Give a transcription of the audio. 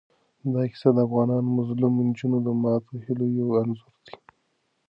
دا کیسه د افغان مظلومو نجونو د ماتو هیلو یو انځور دی.